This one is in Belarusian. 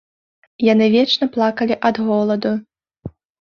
Яны вечна плакалі ад голаду.